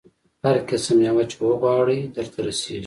هر قسم مېوه چې وغواړې درته رسېږي.